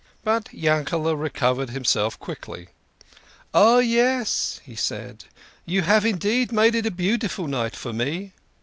But Yankel recovered himself quickly. " Ah, yes," he said, " you have indeed made it a beau diful night for me."